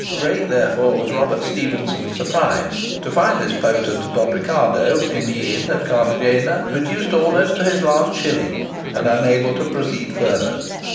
Great, therefore, was Robert Stephenson's surprise to find this potent Don Ricardo in the inn at Cartagena, reduced almost to his last shilling, and unable to proceed further.